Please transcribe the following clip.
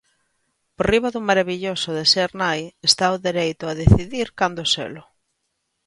"Por riba do marabilloso de ser nai está o dereito a decidir cando selo".